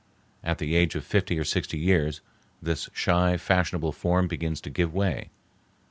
At the age of fifty or sixty years this shy, fashionable form begins to give way.